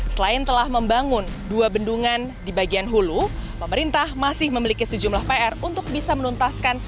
selain telah membangun dua bendungan di bagian hulu pemerintah masih memiliki sejumlah pr untuk bisa menuntaskan